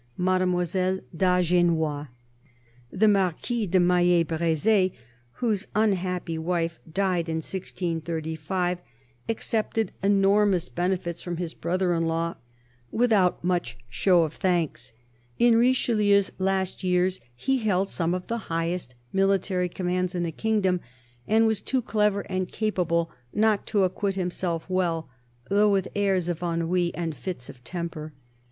Mademoiselle d'Agenois. The Marquis de Maille Breze, whose unhappy wife died in 163s, accepted enormous benefits from his brother in 28o CARDINAL DE RICHELIEU law without much show of thanks. In Richelieu's last years he held some of the highest military commands in the kingdom, and was too clever and capable not to acquit himself well, though with airs of ennui and fits of temper.